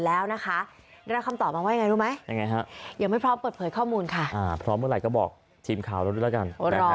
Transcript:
แล้วก็จะตั้งใจทำงานรับใช้ประชาชนให้เป็นที่ครับ